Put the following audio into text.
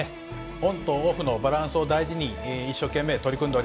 オンとオフのバランスを大事に一生懸命取り組んでおります。